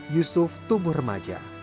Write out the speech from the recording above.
yusuf tumbuh remaja